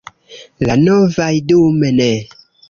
La novaj – dume ne.